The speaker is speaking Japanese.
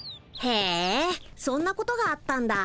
へえそんなことがあったんだ。